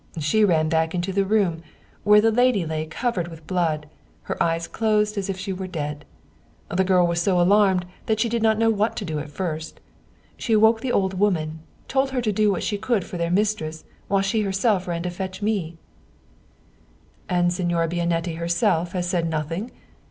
She ran back into the room there lay the lady covered with blood, her eyes closed as if she were dead. The girl was so alarmed that she did not know what to do at first. She awoke the old woman, told her to do what she could for their mistress, while she herself ran to fetch me " "And Signora Bianetti herself has said nothing?